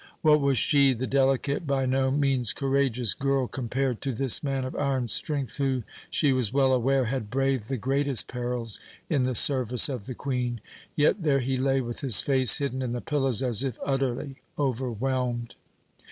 What was she, the delicate, by no means courageous girl, compared to this man of iron strength who, she was well aware, had braved the greatest perils in the service of the Queen? Yet there he lay with his face hidden in the pillows as if utterly overwhelmed.